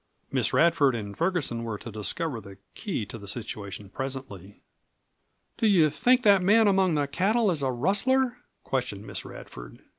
Miss Radford and Ferguson were to discover the key to the situation presently. "Do you think that man among the cattle is a rustler?" questioned Miss Radford.